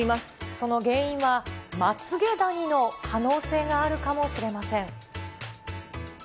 その原因は、まつげダニの可能性があるかもしれません。